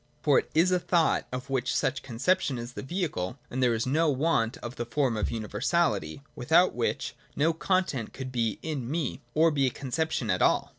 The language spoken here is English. For it is a thought of which such conception is the vehicle, and there is no want of the form of universality, without which no content could be in me, or be a conception at all.